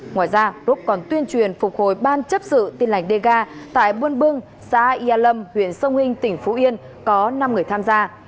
ngoài ra rốt còn tuyên truyền phục hồi ban chấp xử tin lãnh dega tại buôn bưng xã yia lâm huyện sông hinh tỉnh phú yên có năm người tham gia